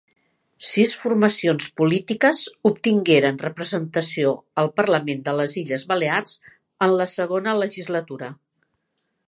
Sis formacions polítiques obtingueren representació al Parlament de les Illes Balears en la Segona Legislatura.